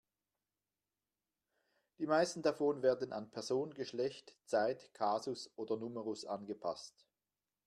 Die meisten davon werden an Person, Geschlecht, Zeit, Kasus oder Numerus angepasst.